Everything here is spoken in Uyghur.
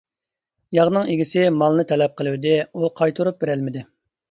ياغنىڭ ئىگىسى مالنى تەلەپ قىلىۋىدى، ئۇ قايتۇرۇپ بېرەلمىدى.